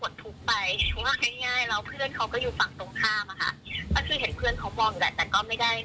ก็ยันจบฮะแต่ว่าเราก็ไม่ได้ห้ามอะไร